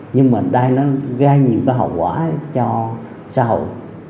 nhưng mà đây nó gây nhiều hậu quả cho xã hội